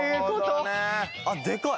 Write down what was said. あっでかい。